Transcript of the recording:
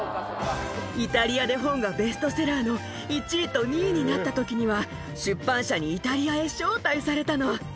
イタリアで本がベストセラーの１位と２位になったときには、出版社にイタリアへ招待されたの。